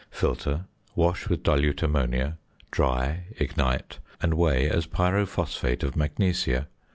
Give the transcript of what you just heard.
Filter, wash with dilute ammonia, dry, ignite, and weigh as pyrophosphate of magnesia.